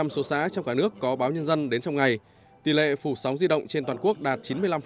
chín mươi một bảy số xã trong cả nước có báo nhân dân đến trong ngày tỷ lệ phủ sóng di động trên toàn quốc đạt chín mươi năm